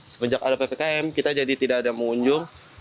semenjak ada ppkm kita jadi tidak ada mengunjung